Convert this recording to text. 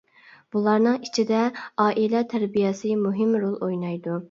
بۇلارنىڭ ئىچىدە ئائىلە تەربىيەسى مۇھىم رول ئوينايدۇ.